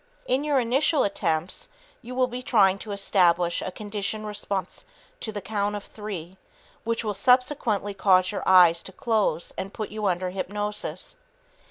In your initial attempts, you will be trying to establish a conditioned response to the count of three which will subsequently cause your eyes to close and put you under hypnosis.